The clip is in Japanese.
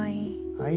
はい。